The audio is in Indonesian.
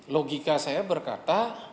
logika saya berkata